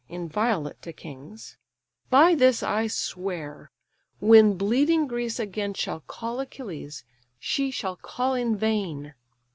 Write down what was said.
inviolate to kings); By this I swear:—when bleeding Greece again Shall call Achilles, she shall call in vain.